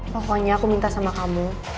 pokoknya aku minta sama kamu